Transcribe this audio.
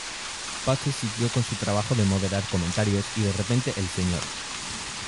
Butters siguió con su trabajo de moderar comentarios, y de repente, el Sr.